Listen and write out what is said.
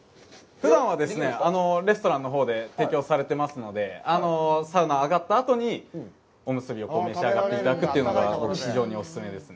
ふだんはですね、レストランのほうで提供されていますので、サウナを上がったあとにおむすびを召し上がっていただくのが非常にお勧めですね。